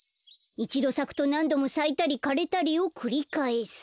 いちどさくとなんどもさいたりかれたりをくりかえす。